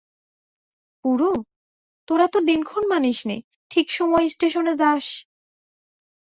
পুরো, তোরা তো দিনক্ষণ মানিস নে, ঠিক সময়ে ইস্টেশনে যাস।